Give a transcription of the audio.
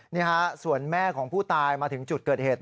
นี่ฮะส่วนแม่ของผู้ตายมาถึงจุดเกิดเหตุ